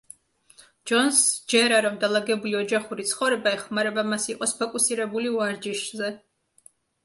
ჯონსს სჯერა, რომ დალაგებული ოჯახური ცხოვრება ეხმარება მას იყოს ფოკუსირებული ვარჯიშზე.